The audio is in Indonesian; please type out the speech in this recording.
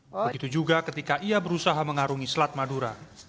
begitu juga ketika ia berusaha mengarungi selat madura